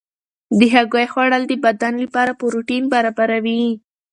د هګۍ خوړل د بدن لپاره پروټین برابروي.